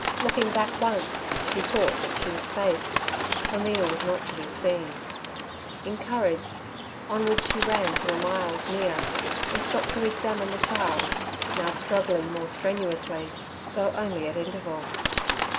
Looking back once, she thought that she was safe, for Mina was not to be seen; encouraged, onwards she ran to the myalls near, and stopped to examine the child, now struggling more strenuously, though only at intervals.